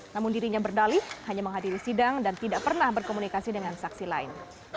namun dirinya berdalih hanya menghadiri sidang dan tidak pernah berkomunikasi dengan saksi lain